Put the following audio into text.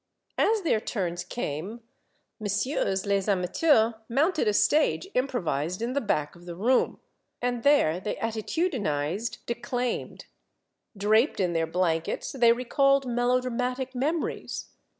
As their turns came, Messieitrs les amateurs mounted a stage improvised in the back of the room, and there they attitudi nized, declaimed ; draped in their blankets, they recalled melodramatic memories.